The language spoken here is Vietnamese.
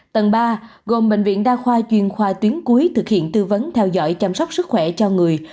tầng ba gồm bệnh viện đa khoa chuyên khoa tuyến cuối thực hiện tư vấn theo dõi chăm sóc sức khỏe cho người